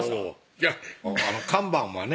いや看板はね